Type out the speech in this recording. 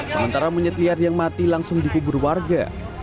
sementara monyet liar yang mati langsung dikubur warga